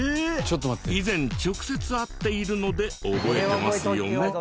以前直接会っているので覚えてますよね？